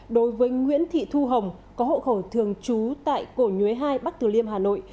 đối với nguyễn thị thu hồng có hộ khẩu thường trú tại cổ nhuế hai bắc tử liêm hà nội